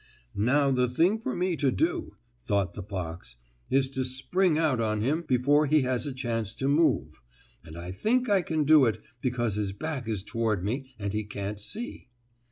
"Now the thing for me to do," thought the fox, "is to spring out on him before he has a chance to move. And I think I can do it, because his back is toward me, and he can't see."